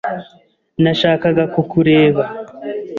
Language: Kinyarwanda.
Nashakaga kukureba.